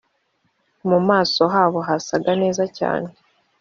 mu maso habo hasaga neza cyane